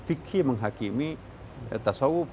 fikih yang menghakimi tasawuf